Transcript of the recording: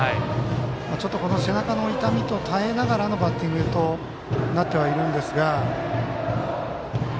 ちょっと、背中の痛みに耐えながらのバッティングになってはいるんですが。